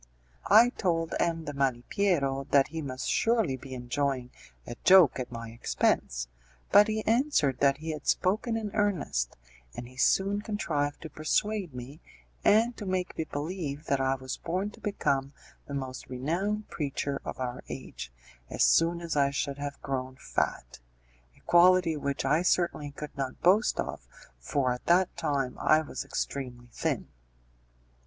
I told M. de Malipiero that he must surely be enjoying a joke at my expense, but he answered that he had spoken in earnest, and he soon contrived to persuade me and to make me believe that I was born to become the most renowned preacher of our age as soon as I should have grown fat a quality which I certainly could not boast of, for at that time I was extremely thin.